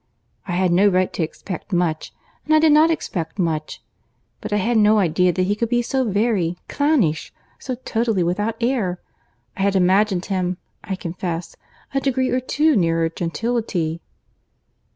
I had no right to expect much, and I did not expect much; but I had no idea that he could be so very clownish, so totally without air. I had imagined him, I confess, a degree or two nearer gentility."